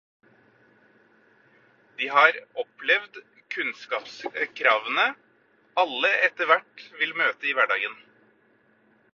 De har opplevet kunnskapskravene alle etterhvert vil møte i hverdagen.